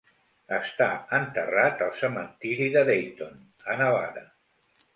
Està enterrat al cementiri de Dayton, a Nevada.